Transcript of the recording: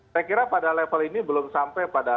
saya kira pada level ini belum sampai pada